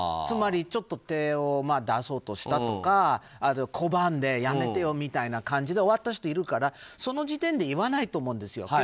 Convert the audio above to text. つまり手を出そうとしたとか拒んでやめてよみたいな感じで終わった人もいたからその時点で言わないと思うんですよ。